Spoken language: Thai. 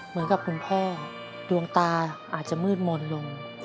เหมือนกับคุณพ่อดวงตาอาจจะมืดมนต์ลง